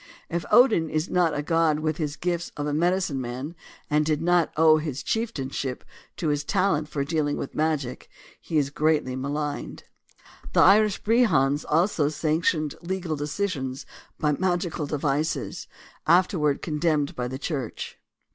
If Odin was not a god with the gifts of a medi cine man and did not owe his chiefship to his talent for dealing with magic, he is greatly maligned. The Irish Brehons also sanctioned legal decisions by magical devices, afterward con demned by the Church.